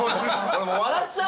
笑っちゃうよ